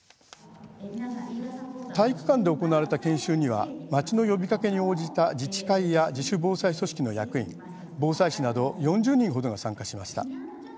体育館で行われた研修には町の呼びかけに応じた自治会や自主防災組織の役員、防災士など４０人程が参加しました。